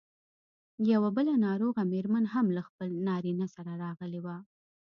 یوه بله ناروغه مېرمن هم له خپل نارینه سره راغلې وه.